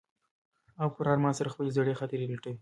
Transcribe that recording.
هغه په پوره ارمان سره خپلې زړې خاطرې لټوي.